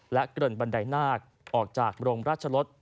และเกริ่นบันไดนาคออกจากบรมมราชลศ